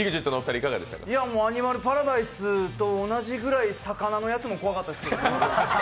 アニマルパラダイスと同じぐらい魚のやつも怖かったです。